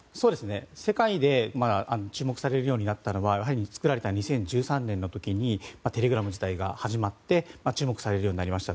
世界で注目されるようになったのはやはり作られた２０１３年の時にテレグラム自体が始まって注目されるようになりました。